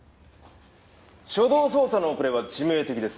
初動捜査の遅れは致命的です。